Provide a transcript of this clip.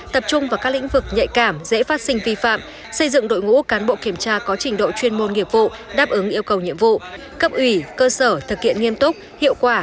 tập trung vào các lĩnh vực nhạy cảm dễ phát sinh vi phạm xây dựng đội ngũ cán bộ kiểm tra có trình độ chuyên môn nghiệp vụ đáp ứng yêu cầu nhiệm vụ cấp ủy cơ sở thực hiện nghiêm túc hiệu quả